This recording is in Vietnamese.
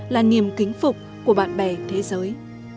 là niềm kính phục của bạn bè thế giới